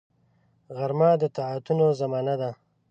غرمه د طاعتونو زمان ده